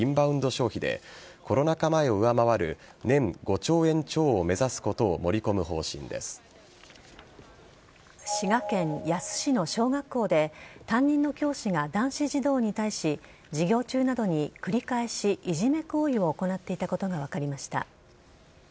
消費でコロナ禍前を上回る年５兆円超を目指すことを滋賀県野洲市の小学校で担任の教師が男子児童に対し授業中などに、繰り返しいじめ行為を行っていたことが分かりました。